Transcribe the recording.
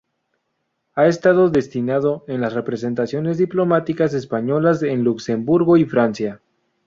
Ha estado destinado en las representaciones diplomáticas españolas en Luxemburgo y Francia.